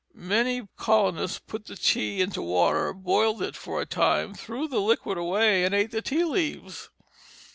Many colonists put the tea into water, boiled it for a time, threw the liquid away, and ate the tea leaves.